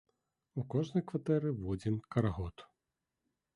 У кожнай кватэры водзім карагод.